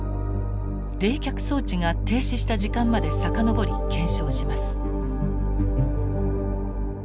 冷却装置が停止した時間まで遡り検証します。